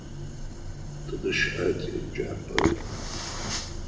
Тыдэ щыӏа тиеджапӏэ?